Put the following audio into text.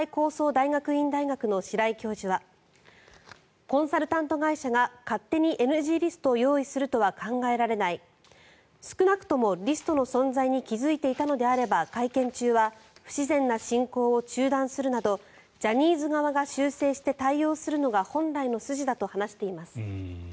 大学院大学の白井教授はコンサルタント会社が勝手にＮＧリストを用意するとは考えられない少なくともリストの存在に気付いていたのであれば会見中は不自然な進行を中断するなどジャニーズ側が修正して対応するのが本来の筋だと話しています。